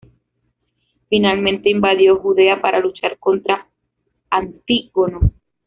Finalmente invadió Judea para luchar contra Antígono.